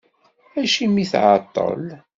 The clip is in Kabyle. Acimi tεeṭṭel?